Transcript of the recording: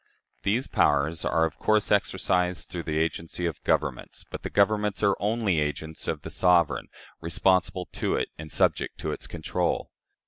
These powers are of course exercised through the agency of governments, but the governments are only agents of the sovereign responsible to it, and subject to its control.